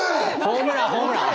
ホームランホームラン！